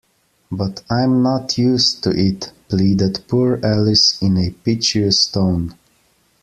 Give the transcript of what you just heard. ‘But I’m not used to it!’ pleaded poor Alice in a piteous tone.